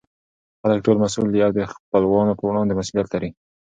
خلکو ټول مسئوول دي او دخپلوانو په وړاندې مسئولیت لري.